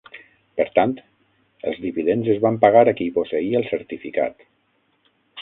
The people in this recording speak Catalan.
Per tant, els dividends es van pagar a qui posseïa el certificat.